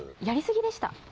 やりすぎでした。